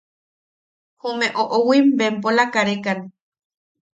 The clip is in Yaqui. Jume oʼowim bempola karekan.